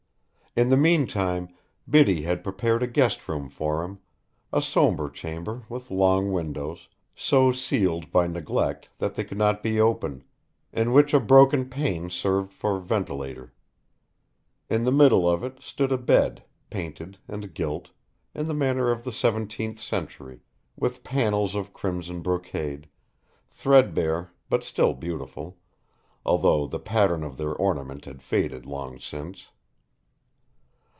In the meantime Biddy had prepared a guest room for him, a sombre chamber with long windows, so sealed by neglect that they could not be opened, in which a broken pane served for ventilator. In the middle of it stood a bed, painted and gilt, in the manner of the seventeenth century, with panels of crimson brocade, threadbare but still beautiful, although the pattern of their ornament had faded long since.